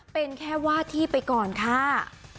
เป็นแค่ว่าที่ไปก่อนค่ะ